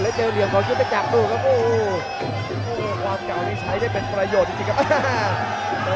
แล้วเจอเหลี่ยมของมันที่วิจัยจักรโอ้โหว่ากล้านี้ใช้ได้เป็นประโยชน์จริงครับ